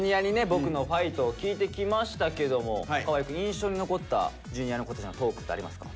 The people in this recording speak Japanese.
「僕のファイト」を聞いてきましたけども河合くん印象に残ったＪｒ．の子たちのトークってありますか？